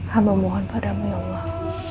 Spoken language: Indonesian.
hama mohon padamu ya allah